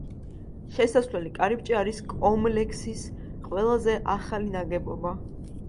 შესასვლელი კარიბჭე არის კომლექსის ყველაზე ახალი ნაგებობა.